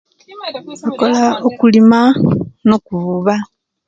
Nkola okulima nokuvuba